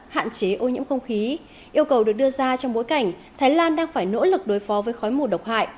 hạn chế ô nhiễm không khí yêu cầu được đưa ra trong bối cảnh thái lan đang phải nỗ lực đối phó với khói mù độc hại